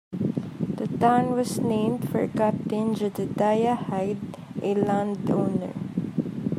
The town was named for Captain Jedediah Hyde, a landowner.